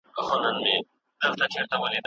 چې په قهر و قیام ړنګې کړي دا کرښې